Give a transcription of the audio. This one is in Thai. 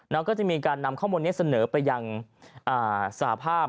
แล้วก็จะมีการนำข้อมูลนี้เสนอไปยังสหภาพ